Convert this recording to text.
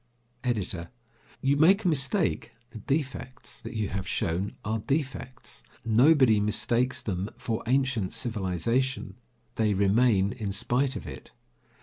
EDITOR: You make a mistake. The defects that you have shown are defects. Nobody mistakes them for ancient civilization. They remain in spite of it.